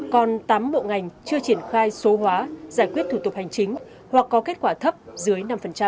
còn tám bộ ngành chưa triển khai số hóa giải quyết thủ tục hành chính hoặc có kết quả thấp dưới năm